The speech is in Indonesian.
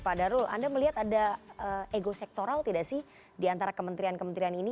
pak darul anda melihat ada ego sektoral tidak sih diantara kementerian kementerian ini